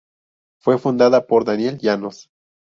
Fue fundada por Daniel Llanos.